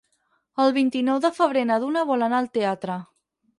El vint-i-nou de febrer na Duna vol anar al teatre.